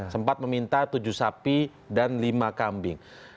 sempat meminta tujuh sapi dan lima kambing